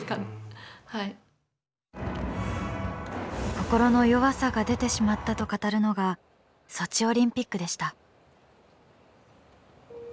心の弱さが出てしまったと語るのがソチオリンピックでした。